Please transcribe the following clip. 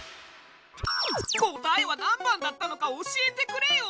答えは何番だったのか教えてくれよ！